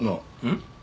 ん？